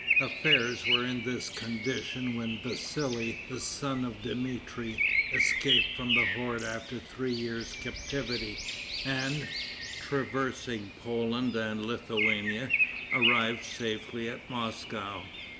] Affairs were in this condition when Vassali, the son of Dmitri, escaped from the horde after a three years' captivity, and, traversing Poland and Lithuania, arrived safely at Moscow.